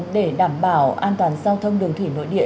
để đảm bảo an toàn giao thông đường thủy nội địa